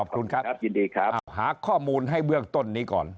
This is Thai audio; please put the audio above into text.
ขอบคุณครับหาข้อมูลให้เบือกต้นนี้ก่อน